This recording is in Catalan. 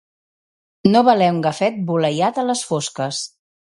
No valer un gafet boleiat a les fosques.